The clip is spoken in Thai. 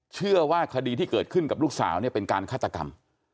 เชื่อว่าคดีที่เกิดขึ้นกับลูกสาวเนี่ยเป็นการฆาตกรรม